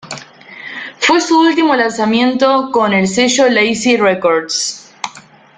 Fue su último lanzamiento con el sello Lazy Records.